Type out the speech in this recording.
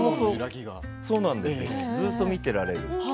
ずっと見ていられる。